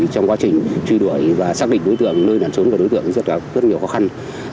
trong quá trình truy đuổi và xác định đối tượng nơi nồn trốn của đối tượng rất nhiều khó khăn